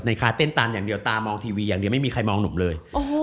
คล้ายเต้นตามอย่างเดียวตามองทีวีอย่างเดียวไม่มีใครมองหนุ่มเลย